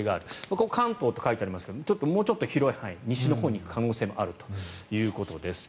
これは関東と書いていますがもうちょっと広い範囲西のほうに行く可能性もあるということです。